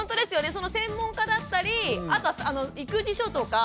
その専門家だったりあとは育児書とか。